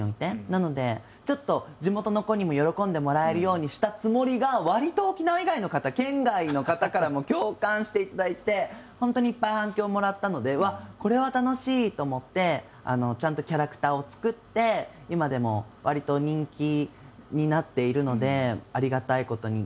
なのでちょっと地元の子にも喜んでもらえるようにしたつもりがわりと沖縄以外の方県外の方からも共感していただいて本当にいっぱい反響をもらったのでこれは楽しい！と思ってちゃんとキャラクターを作って今でもわりと人気になっているのでありがたいことに。